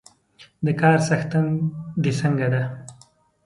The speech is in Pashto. د کار څښتن د څنګه ده؟